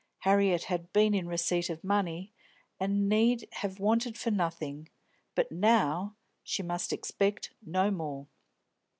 Harriet had been in receipt of money, and need have wanted for nothing; but now she must expect no more.